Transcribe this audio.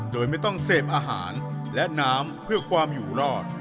โดยไม่ต้องเสพอาหารและน้ำเพื่อความอยู่รอด